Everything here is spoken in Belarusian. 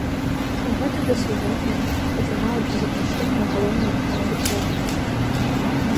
У гэтым жа сезоне атрымаў запрашэнне ў галоўную каманду краіны.